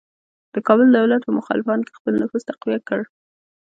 د کابل دولت په مخالفانو کې خپل نفوذ تقویه کړ.